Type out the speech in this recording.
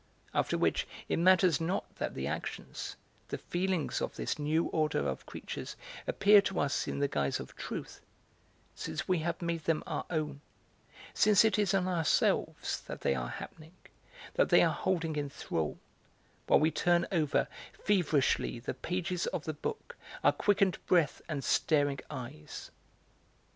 After which it matters not that the actions, the feelings of this new order of creatures appear to us in the guise of truth, since we have made them our own, since it is in ourselves that they are happening, that they are holding in thrall, while we turn over, feverishly, the pages of the book, our quickened breath and staring eyes.